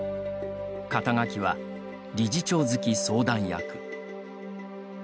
肩書は理事長付相談役。